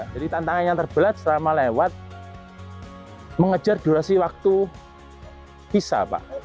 jadi tantangan yang terbelat selama lewat mengejar durasi waktu visa